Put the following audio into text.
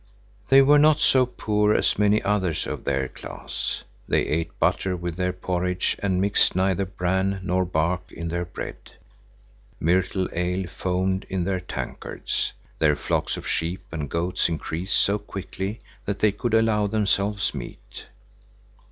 They were not so poor as many others of their class. They ate butter with their porridge and mixed neither bran nor bark in their bread. Myrtle ale foamed in their tankards. Their flocks of sheep and goats increased so quickly that they could allow themselves meat.